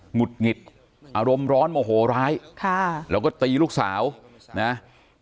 หุดหงิดอารมณ์ร้อนโมโหร้ายค่ะแล้วก็ตีลูกสาวนะ